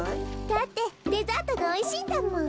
だってデザートがおいしいんだもん。